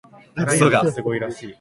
くそが